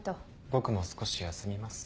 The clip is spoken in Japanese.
僕も少し休みます。